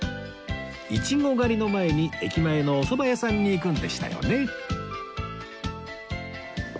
イチゴ狩りの前に駅前のおそば屋さんに行くんでしたよね